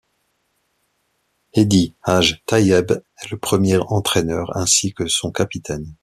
Hédi Haj Taïeb en est le premier entraîneur ainsi que son capitaine.